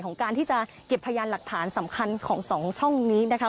การที่จะเก็บพยานหลักฐานสำคัญของสองช่องนี้นะคะ